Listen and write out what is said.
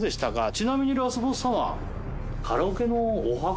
ちなみにラスボス様